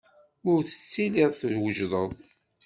Ur tettiliḍ twejdeḍ.